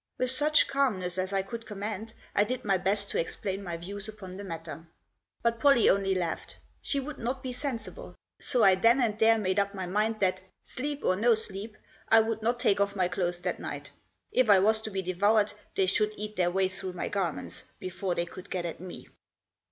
With such calmness as I could command I did my best to explain my views upon the matter. But Pollie only laughed. She would not be sensible. So I then and Digitized by 102 •THE JOSS. there made up my mind that, sleep or no sleep, I would not take off my clothes that night. If I was to be devoured they should eat their way through my garments before they could get at me.